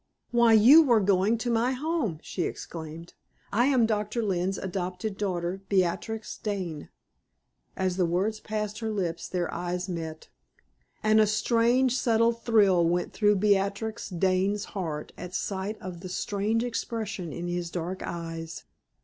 "Why, you were going to my home!" she exclaimed. "I am Doctor Lynne's adopted daughter Beatrix Dane." As the words passed her lips their eyes met, and a strange, subtle thrill went through Beatrix Dane's heart at sight of the strange expression in his dark eyes.